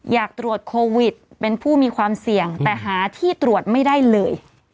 อยากตรวจโควิดเป็นผู้มีความเสี่ยงแต่หาที่ตรวจไม่ได้เลย